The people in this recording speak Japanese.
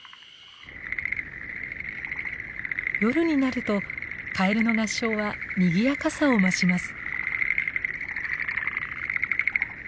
夜になるとカエルの合唱はにぎやかさを増します。